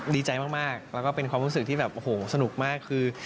ดีใจมากแล้วก็เป็นความรู้สึกที่แบบโอ้โหสนุกมากคือ